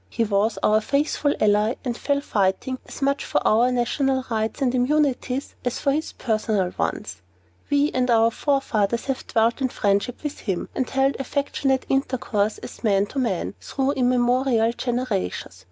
He was our faithful ally, and fell fighting as much for our national rights and immunities as for his own personal ones. We and our forefathers have dwelt in friendship with him, and held affectionate intercourse as man to man, through immemorial generations.